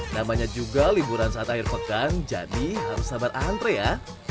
namanya juga liburan saat akhir pekan jadi harus sabar antre ya